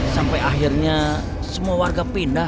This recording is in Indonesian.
sampai akhirnya semua warga pindah